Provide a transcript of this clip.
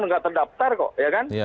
tidak terdaftar kok